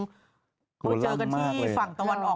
ไปเจอกันที่ฝั่งตะวันออก